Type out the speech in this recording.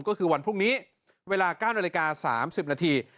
ก็คือวันพรุ่งนี้เวลา๙นาฬิกา๓๐นาที